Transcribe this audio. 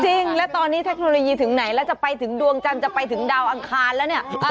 จริงแล้วตอนนี้เทคโนโลยีถึงไหนแล้วจะไปถึงดวงจันทร์จะไปถึงดาวอังคารแล้วเนี่ย